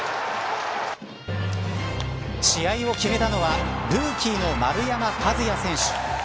試合を決めたのはルーキーの丸山和郁選手。